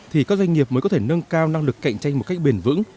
thì các doanh nghiệp mới có thể nâng cao năng lực cạnh tranh một cách bền vững